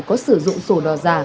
có sử dụng sổ đỏ giả